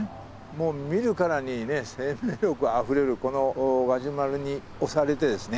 もう見るからに生命力あふれるこのガジュマルに押されてですね